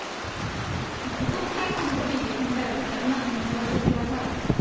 自国開催の五輪で金メダルをとった今の気持ちを教えてください。